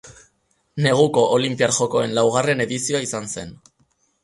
Neguko Olinpiar Jokoen laugarren edizioa izan zen.